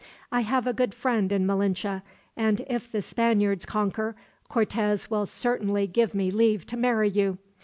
I have a good friend in Malinche, and if the Spaniards conquer, Cortez will certainly give me leave to marry you.